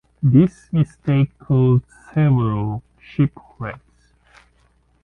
This mistake caused several shipwrecks.